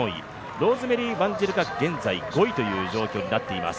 ローズメリー・ワンジルが現在５位という状況になっています